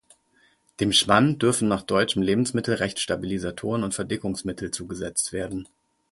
Dem Schmand dürfen nach deutschem Lebensmittelrecht Stabilisatoren und Verdickungsmittel zugesetzt werden.